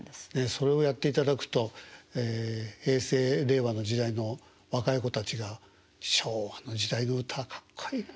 それをやっていただくと平成令和の時代の若い子たちが昭和の時代の歌かっこいいな。